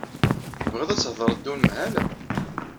Tebɣiḍ ad thedreḍ d unemhal?